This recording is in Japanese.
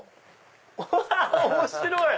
うわ面白い！